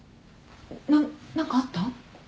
なっ何かあった？